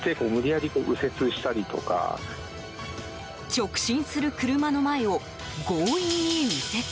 直進する車の前を強引に右折！